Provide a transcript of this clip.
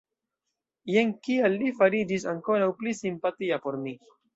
Jen kial li fariĝis ankoraŭ pli simpatia por mi.